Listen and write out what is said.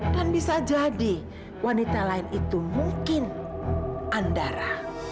dan bisa jadi wanita lain itu mungkin andara